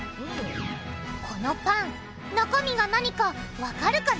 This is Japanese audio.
このパン中身が何かわかるかな？